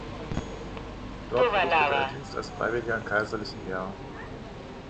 Dort verrichtete er Dienst als Freiwilliger im kaiserlichen Heer.